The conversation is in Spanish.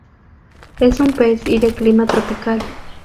Es un pez y de clima tropical.